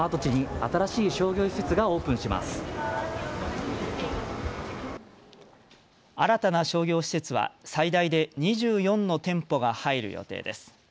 新たな商業施設は最大で２４の店舗が入る予定です。